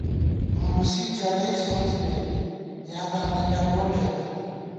ہُرُوسی چرَئیز کوڅِمېت یا دامَنیا ڈونڈ ژَمېت